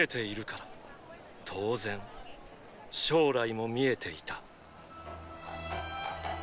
当然将来も見えていた！！